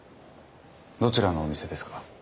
どちらのお店ですか？